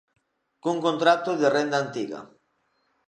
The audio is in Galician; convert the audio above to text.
Cun contrato de renda antiga...